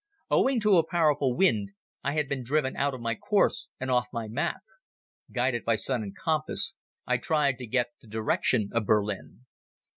Owing to a powerful wind I had been driven out of my course and off my map. Guided by sun and compass I tried to get the direction of Berlin.